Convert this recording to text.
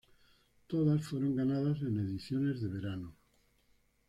Todas fueron ganadas en ediciones de verano.